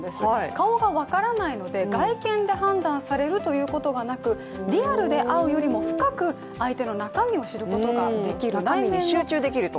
顔が分からないので外見で判断されるということがなく、リアルで会うよりも深く相手の中身を知ることができる、内面に集中できると。